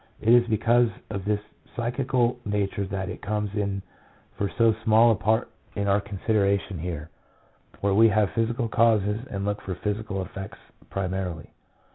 It is because of its psychical nature that it comes in for so small a part in our consideration here, where we have physical causes and look for physical effects primarily.